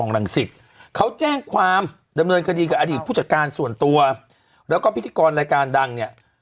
แล้วก็พิธีกรรายการดังเนี่ย